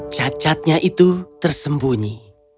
cacatnya itu tersembunyi